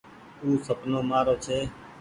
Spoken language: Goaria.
او سپنو مآرو ڇي۔